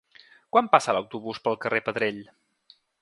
Quan passa l'autobús pel carrer Pedrell?